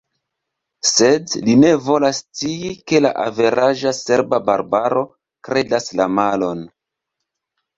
Sed li ne volas scii, ke la averaĝa serba barbaro kredas la malon.